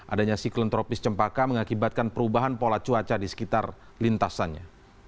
adanya siklon tropis cempaka mengakibatkan perubahan pola cuaca di sekitar lintasannya